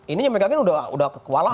ini yang mereka kira udah kekualahan